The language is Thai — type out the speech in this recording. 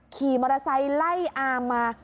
ขี่มอเตอร์ไซค์ไล่อามมา